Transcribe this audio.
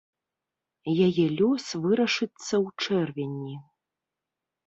Яе лёс вырашыцца ў чэрвені.